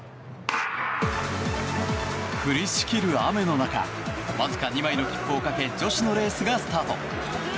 降りしきる雨の中わずか２枚の切符をかけ女子のレースがスタート。